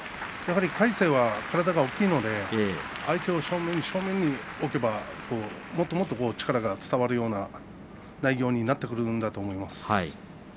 魁聖は体が大きいので相手を正面に正面に置けばもっと力が伝わるような内容になってくるんだと思います。